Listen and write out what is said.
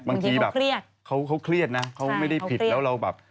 บางทีแบบเครียดเขาเครียดนะเขาไม่ได้ผิดแล้วเราแบบ